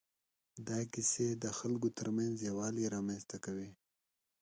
دا کیسې د خلکو تر منځ یووالی رامنځ ته کوي.